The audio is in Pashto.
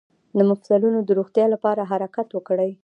د مفصلونو د روغتیا لپاره حرکت وکړئ